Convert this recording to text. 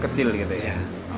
kecil gitu ya